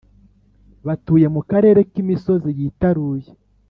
batuye mu karere k imisozi yitaruye